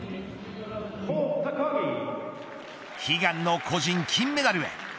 悲願の個人金メダルへ。